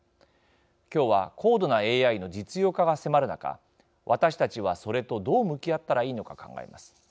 今日は高度なＡＩの実用化が迫る中私たちはそれとどう向き合ったらいいのか考えます。